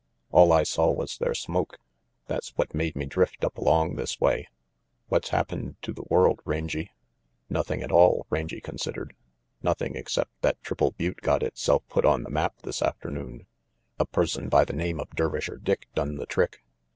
"All I saw was their smoke. That's what made me drift up along this way. What's happened to the world, Rangy?" RANGY PETE 05 "Nothing at all," Rangy considered, "nothing except that Triple Butte got itself put on the map this afternoon. A person by the name of Dervisher Dick done the trick.